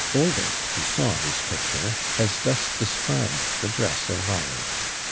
Oldys, who saw this picture, has thus described the dress of Rawleigh.